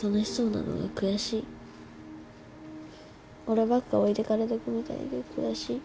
俺ばっか置いてかれてくみたいで悔しい。